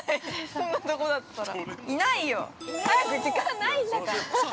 こんなところだったら。